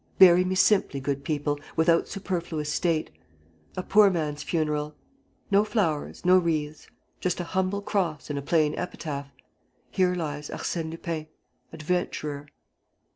Bury me simply, good people, without superfluous state ... a poor man's funeral ... No flowers, no wreaths. ... Just a humble cross and a plain epitaph; 'Here lies Arsène Lupin, adventurer.'"